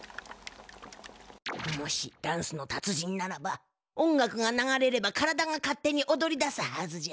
もしダンスのたつ人ならば音楽が流れれば体が勝手におどりだすはずじゃ。